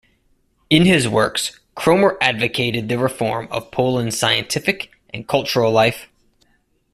In his works, Kromer advocated the reform of Poland's scientific and cultural life.